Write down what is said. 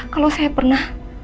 kalau saya pernah